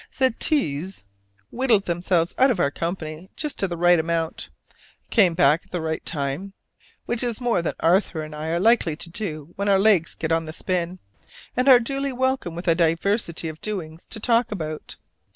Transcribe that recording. The T s whittle themselves out of our company just to the right amount: come back at the right time (which is more than Arthur and I are likely to do when our legs get on the spin), and are duly welcome with a diversity of doings to talk about.